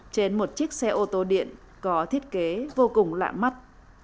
trên một chiếc xe ô tô điện có thiết kế vô cùng lạ mắt